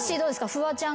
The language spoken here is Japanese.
フワちゃんが。